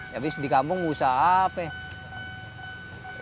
ya habis di kampung usaha apa ya